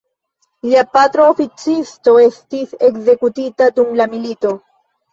Lia patro oficisto estis ekzekutita dum la milito.